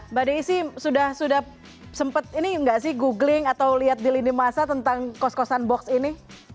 mbak desi sudah sempat ini nggak sih googling atau lihat di lini masa tentang kos kosan box ini